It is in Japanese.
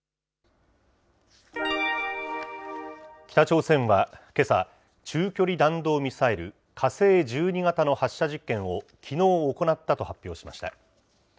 北朝鮮はけさ、中距離弾道ミサイル、火星１２型の発射実験をきのう行ったと発表しました。